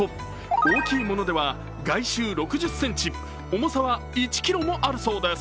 大きいものでは外周６０ｃｍ重さは１ｋｇもあるそうです。